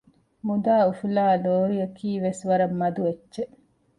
މުދާ އުފުލާ ލޯރިއަކީ ވެސް ވަރަށް މަދު އެއްޗެއް